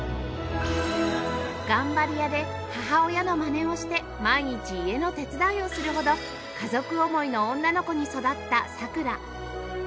頑張り屋で母親のまねをして毎日家の手伝いをするほど家族思いの女の子に育った咲楽